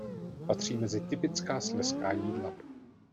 Patří mezi typická slezská jídla.